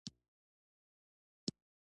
ترکاري د بدن لپاره غذایي مواد برابروي.